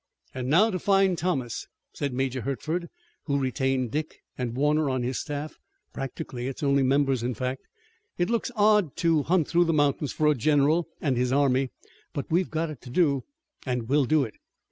"And now to find Thomas!" said Major Hertford, who retained Dick and Warner on his staff, practically its only members, in fact. "It looks odd to hunt through the mountains for a general and his army, but we've got it to do, and we'll do it."